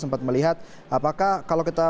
sempat melihat apakah kalau kita